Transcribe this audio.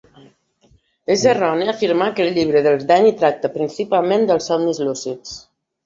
És erroni afirmar que el llibre del Deny tracta principalment dels somnis lúcids.